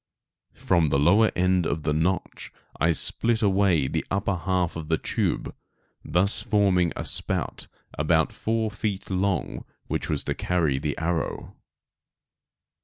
From the lower end of the notch I split away the upper half of the tube, thus forming a spout about four feet long which was to carry the arrow.